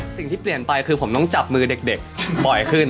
สิ่งที่เปลี่ยนไปคือผมต้องจับมือเด็กบ่อยขึ้น